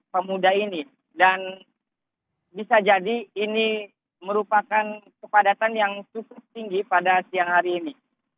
pemuda ini dan bisa jadi ini merupakan kepadatan yang cukup tinggi pada siang hari ini